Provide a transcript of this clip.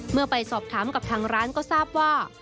เมื่อไปสอบถามกับทางร้านก็ทราบว่า